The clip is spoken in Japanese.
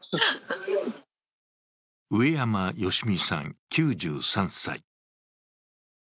上山良充さん９３歳。